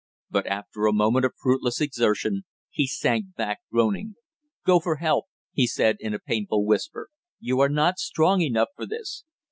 But after a moment of fruitless exertion he sank back groaning. "Go for help!" he said, in a painful whisper. "You are not strong enough for this."